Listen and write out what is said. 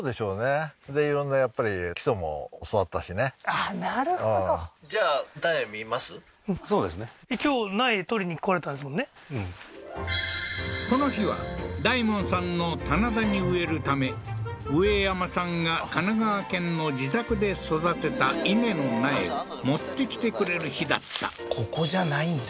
あっなるほどこの日は大門さんの棚田に植えるため植山さんが神奈川県の自宅で育てた稲の苗を持ってきてくれる日だったここじゃないんだ